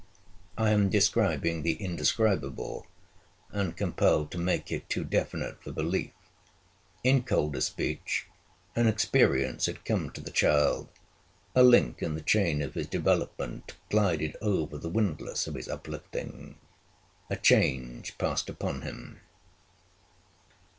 I am describing the indescribable, and compelled to make it too definite for belief. In colder speech, an experience had come to the child; a link in the chain of his development glided over the windlass of his uplifting; a change passed upon him.